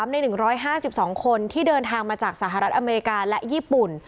ใน๑๕๒คนที่เดินทางมาจากสหรัฐอเมริกาและญี่ปุ่น